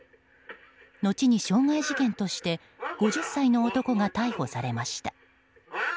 のちに傷害事件として５０歳の男が逮捕されました。